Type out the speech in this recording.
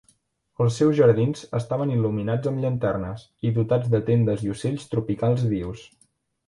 Els seus jardins estaven il·luminats amb llanternes, i dotats de tendes i ocells tropicals vius.